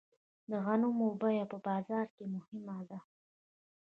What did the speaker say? د غنمو بیه په بازار کې مهمه ده.